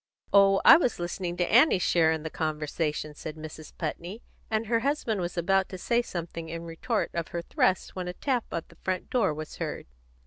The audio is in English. "Oh, I was listening to Annie's share in the conversation," said Mrs. Putney; and her husband was about to say something in retort of her thrust when a tap on the front door was heard.